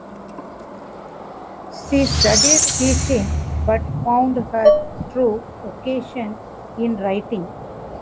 She studied teaching but found her true vocation in writing.